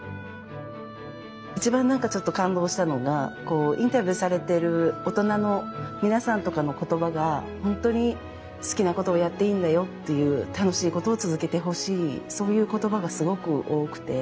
一番何かちょっと感動したのがこうインタビューされてる大人の皆さんとかの言葉が本当に好きなことをやっていいんだよっていう楽しいことを続けてほしいそういう言葉がすごく多くて。